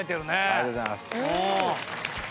ありがとうございます。